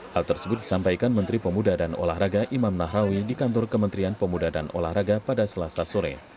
hal tersebut disampaikan menteri pemuda dan olahraga imam nahrawi di kantor kementerian pemuda dan olahraga pada selasa sore